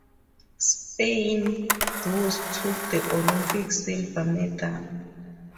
Spain, thus, took the Olympic silver medal.